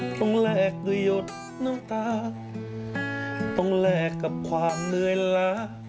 ต้องแลกด้วยหยดน้ำตาต้องแลกกับความเหนื่อยล้า